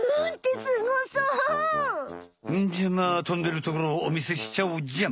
ほんじゃまあ飛んでるところをおみせしちゃおうじゃん。